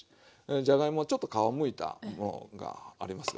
じゃがいもちょっと皮むいたものがありますよ